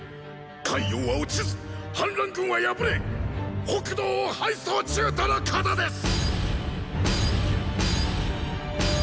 咸陽は落ちず反乱軍は敗れ北道を敗走中とのことです！